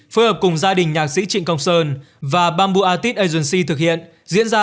phối hợp cùng gia đình nhạc sĩ trịnh công sơn và bamboo artist agency thực hiện